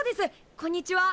こんにちは。